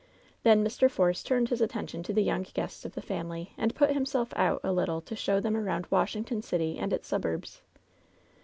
Then Mr. Force turned his attention to the young guests of the family, and put himself out a little to show them around Washington City and its suburbs.